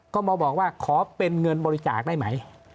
ก็มาบอกว่าขอเป็นเงินบริจาคได้ไหม